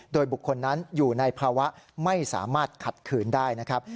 โดยบุคคลนั้นอยู่ในภาวะไม่สามารถขัดขืนได้นะครับ